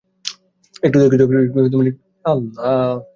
একটু দেখি তো।